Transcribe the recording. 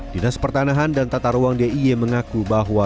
dinas pertanahan dan tata ruang dii mengaku bahwa